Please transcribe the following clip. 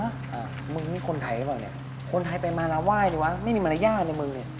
อ่ามึงมีคนไทยเหรอเนี่ยคนไทยไปมาราว่ายเลยวะไม่มีมารยาทในมึงเนี่ย